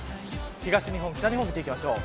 東日本、北日本を見ていきましょう。